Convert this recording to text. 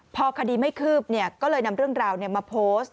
พอคดีไม่คืบก็เลยนำเรื่องราวมาโพสต์